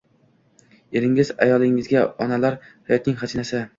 Eringiz, ayolingizga onalar hayotning xazinasi